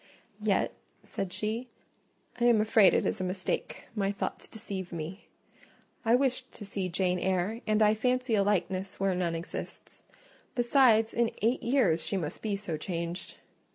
"Yet," said she, "I am afraid it is a mistake: my thoughts deceive me. I wished to see Jane Eyre, and I fancy a likeness where none exists: besides, in eight years she must be so changed."